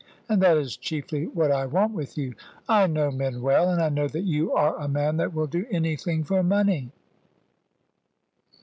And that is chiefly what I want with you. I know men well; and I know that you are a man that will do anything for money."